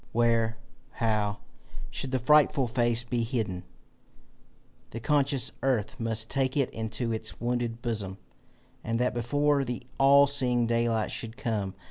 Where, how, should the frightful face be hidden? The conscious earth must take it into its wounded bosom, and that before the all seeing daylight should come.